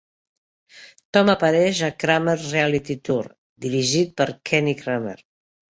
Tom apareix a "Kramer's Reality Tour" dirigit per Kenny Kramer.